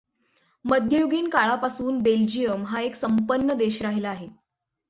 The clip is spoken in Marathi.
मध्ययुगीन काळापासून बेल्जियम हा एक संपन्न देश राहिला आहे.